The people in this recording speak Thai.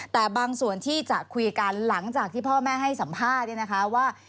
แต่บางส่วนที่จะคุยกันหลังจากที่พ่อแม่ให้สัมภาษณ์เนี่ยนะคะว่า